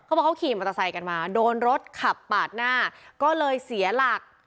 บอกเขาขี่มอเตอร์ไซค์กันมาโดนรถขับปาดหน้าก็เลยเสียหลัก